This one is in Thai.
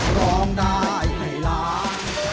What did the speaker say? ร้องได้ให้ล้าน